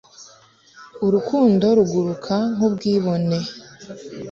Urukundo ruguruka nk ubwibone